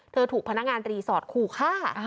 ถูกพนักงานรีสอร์ทขู่ฆ่า